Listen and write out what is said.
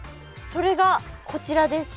それがこちらです。